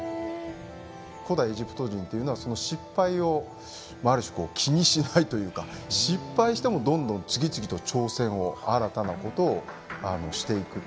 古代エジプト人というのは失敗をある種気にしないというか失敗してもどんどん次々と挑戦を新たなことをしていくという。